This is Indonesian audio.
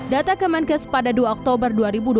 data kemenkes pada dua oktober dua ribu dua puluh